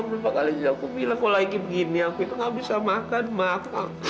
oh benar pak alija aku bilang kalau lagi begini aku itu gak bisa makan makan